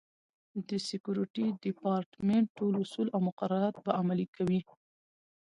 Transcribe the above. د سکورټي ډیپارټمنټ ټول اصول او مقررات به عملي کوي.